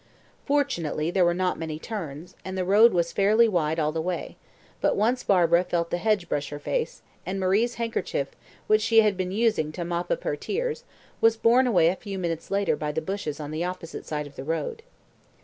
Fortunately, there were not many turns, and the road was fairly wide all the way; but once Barbara felt the hedge brush her face, and Marie's handkerchief, which she had been using to mop up her tears, was borne away a few minutes later by the bushes on the opposite side of the road.